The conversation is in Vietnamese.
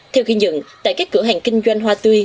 theo ghi nhận tại các cửa hàng kinh doanh hoa tươi